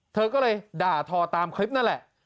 เธอก็เลยด่าทอตามคลิปนั่นแหละ